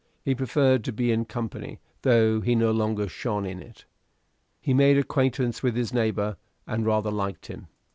He preferred to be in company, though he no longer shone in it. He made acquaintance with his neighbor, and rather liked him.